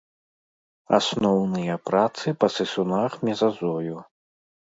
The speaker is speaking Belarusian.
Асноўныя працы па сысунах мезазою.